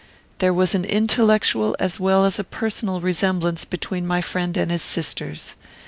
There was an intellectual as well as a personal resemblance between my friend and his sisters.